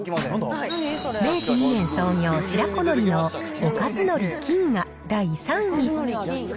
明治２年創業、白子のりのおかずのり金が第３位。